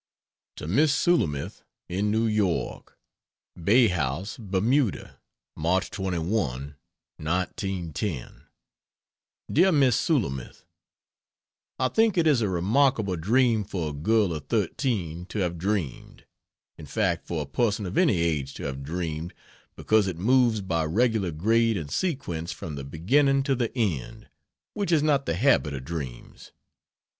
To Miss Sulamith, in New York: "BAY HOUSE," BERMUDA, March 21, 1910. DEAR MISS SULAMITH, I think it is a remarkable dream for a girl of 13 to have dreamed, in fact for a person of any age to have dreamed, because it moves by regular grade and sequence from the beginning to the end, which is not the habit of dreams.